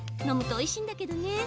飲むとおいしいんだけどね。